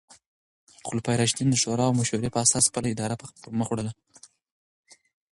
خلفای راشدین د شورا او مشورې په اساس خپله اداره پر مخ وړله.